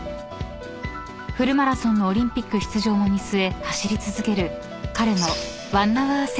［フルマラソンのオリンピック出場も見据え走り続ける彼の］